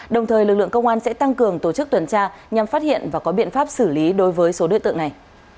đồng thời lực lượng công an sẽ tăng cường tổ chức tuần tra nhằm phát hiện và có biện pháp xử lý đối với số đối tượng này